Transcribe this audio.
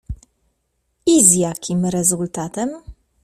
"I z jakim rezultatem?"